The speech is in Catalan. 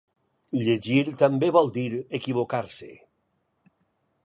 Llegir també vol dir equivocar-se.